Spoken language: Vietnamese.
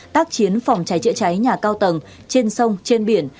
tác chiến phòng cháy chữa cháy nhà cao tầng trên sông trên biển